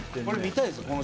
これ見たいです